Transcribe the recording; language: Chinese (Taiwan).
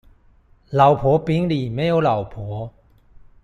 老婆餅裡沒有老婆